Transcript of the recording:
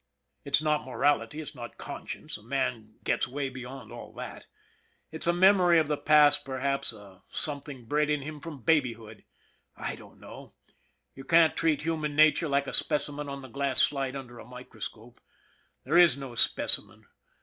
It's not morality, it's not conscience, a man gets way beyond all that; it's a memory of the past perhaps, a some thing bred in him from babyhood. I don't know. You can't treat human nature like a specimen on the glass slide under a microscope. There is no specimen.